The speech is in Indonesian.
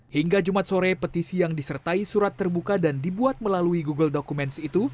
hingga jumat sore petisi yang disertai surat terbuka dan dibuat melalui google documents itu